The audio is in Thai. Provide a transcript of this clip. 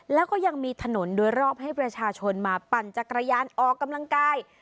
แล้วก็ยังมีถนนโดยรอบให้ประชาชนมาปั่นจักรยานออกกำลังกาย